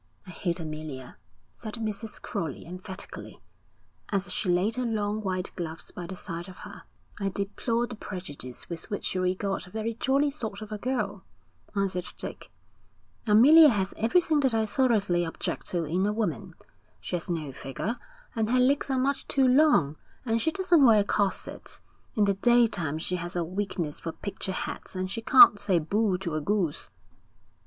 'I hate Amelia,' said Mrs. Crowley emphatically, as she laid her long white gloves by the side of her. 'I deplore the prejudice with which you regard a very jolly sort of a girl,' answered Dick. 'Amelia has everything that I thoroughly object to in a woman. She has no figure, and her legs are much too long, and she doesn't wear corsets. In the daytime she has a weakness for picture hats, and she can't say boo to a goose.'